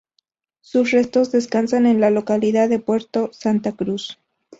Sus restos descansan en la localidad de Puerto Santa Cruz.